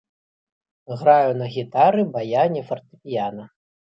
Граю на гітары, баяне, фартэпіяна.